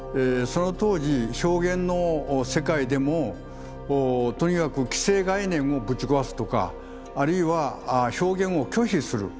その当時表現の世界でもとにかく既成概念をぶち壊すとかあるいは表現を拒否する。